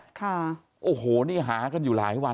โอ้โหเป็นสารสารตัวตัวของคนทั่วไปนี่แหละโอ้โหนี่หากันอยู่หลายวัน